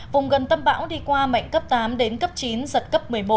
vùng gần tâm bão đi qua mạnh cấp tám đến cấp chín giật cấp một mươi một